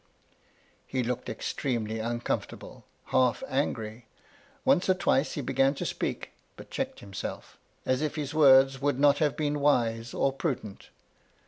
. He looked extremely uncomfortable; half angry. Once or twice he began to speak, but checked himself, as if his words would not have been wise or prudent.